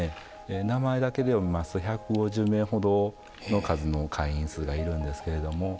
名前だけで読みますと１５０名ほどの数の会員数がいるんですけれども。